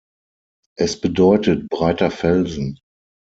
Es bedeutet „breiter Felsen“.